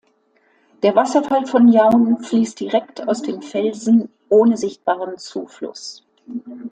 Der Wasserfall von Jaun fließt direkt aus dem Felsen, ohne sichtbaren Zufluss.